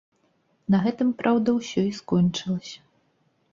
На гэтым, праўда, усё і скончылася.